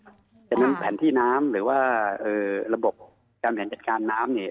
เพราะฉะนั้นแผนที่น้ำหรือว่าระบบการบริหารจัดการน้ำเนี่ย